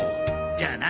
じゃあな。